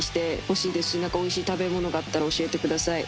おいしい食べ物があったら教えてください。